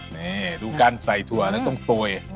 นี่ดูกันใส่ถั่วแล้วต้องปล่อย